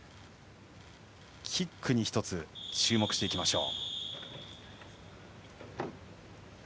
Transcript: キックに１つ注目していきましょう。